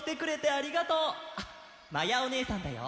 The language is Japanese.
あっまやおねえさんだよ。